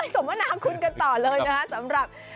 สมนาคุณกันต่อเลยนะ